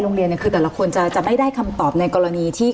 โรงเรียนคือแต่ละคนจะไม่ได้คำตอบในกรณีที่